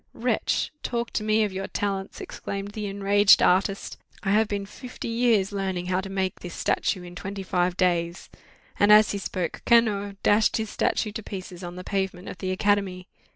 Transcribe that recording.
'Wretch! talk to me of your talents!' exclaimed the enraged artist; 'I have been fifty years learning to make this statue in twenty five days!' And as he spoke, Cano dashed his statue to pieces on the pavement of the academy.